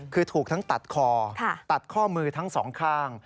คือถูกทั้งตัดคอตัดข้อมือทั้งสองข้าง